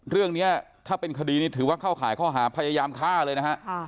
เรื่องนี้ถ้าเป็นคดีนี้ถือว่าเข้าข่ายข้อหาพยายามฆ่าเลยนะฮะ